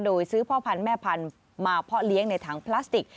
โดยซื้อพ่อพันธุ์แม่พันธุ์มาเพาะเลี้ยงในถังพลาสติก